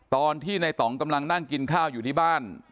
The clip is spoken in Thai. ตอนที่ในต่องกำลังนั่งกินข้าวอยู่ที่บ้าน